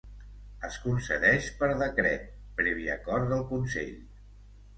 Es concedeix per decret, previ acord del Consell.